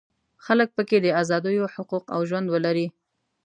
خلک په کې د ازادیو حقوق او ژوند ولري.